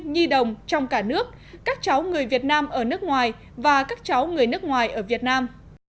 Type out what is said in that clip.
nhi đồng trong cả nước các cháu người việt nam ở nước ngoài và các cháu người nước ngoài ở việt nam